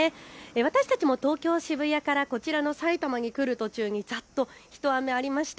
私たちも東京渋谷からこちらのさいたまに来る途中にざっと一雨ありました。